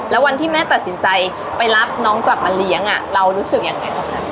แล้ววันที่แม่ตัดสินใจไปรับน้องกลับมาเลี้ยงเรารู้สึกยังไงตอนนั้น